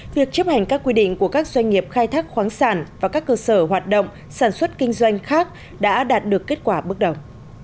việc chấp hành các quy định của các doanh nghiệp khai thác khoáng sản và các cơ sở hoạt động sản xuất kinh doanh khác đã đạt được kết quả bước đầu